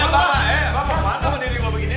bapak kemana menurutnya gue begini eh